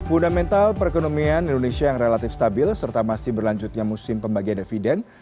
fundamental perekonomian indonesia yang relatif stabil serta masih berlanjutnya musim pembagian dividen